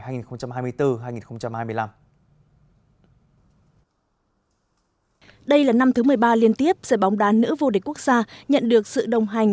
đây là năm thứ một mươi ba liên tiếp giải bóng đá nữ vô địch quốc gia nhận được sự đồng hành